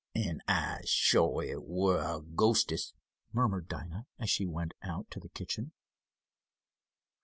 "And I'se shuah it were a ghostest," murmured Dinah, as she went out to the kitchen.